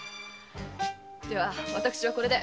では私はこれで！